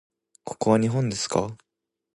ここは日本ですか？